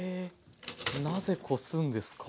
なぜこすんですか？